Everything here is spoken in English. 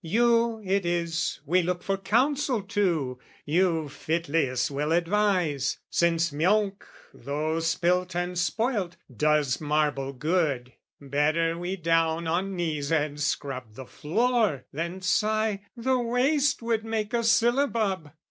You, it is, we look "For counsel to, you fitliest will advise! "Since milk, though spilt and spoilt, does marble good, "Better we down on knees and scrub the floor, "Than sigh, 'the waste would make a syllabub!'